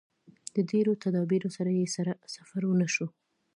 د ډېرو تدابیرو سره یې سفر ونشو.